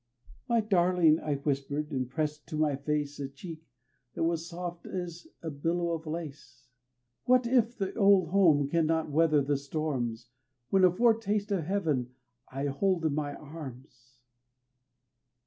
"My darling!" I whispered, and pressed to my face A cheek that was soft as a billow of lace. "What if the old home can not weather the storms When a foretaste of Heaven I hold in my arms."